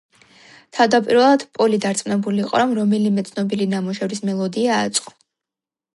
თავდაპირველად პოლი დარწმუნებული იყო, რომ რომელიმე ცნობილი ნამუშევრის მელოდია ააწყო.